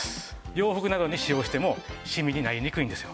洋服などに使用してもシミになりにくいんですよ。